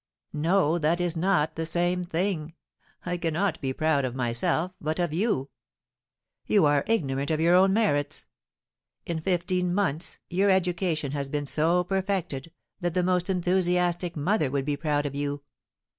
"No, that is not the same thing; I cannot be proud of myself, but of you. You are ignorant of your own merits; in fifteen months your education has been so perfected that the most enthusiastic mother would be proud of you."